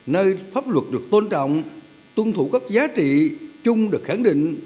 nơi pháp luật được tôn trọng tuân thủ các giá trị chung được khẳng định